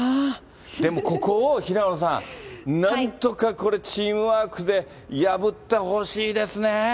でもここを、平野さん、なんとかこれ、チームワークで破ってほしいですね。